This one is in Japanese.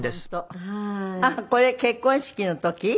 あっこれ結婚式の時？